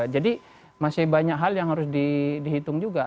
jadi masih banyak hal yang harus dihitung juga